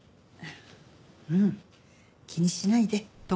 ううん気にしないで。